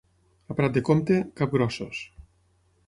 A Prat de Comte, capgrossos.